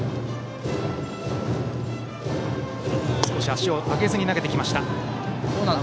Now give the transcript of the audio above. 足を上げずに投げてきました。